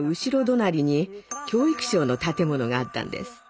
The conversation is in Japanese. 隣に教育省の建物があったんです。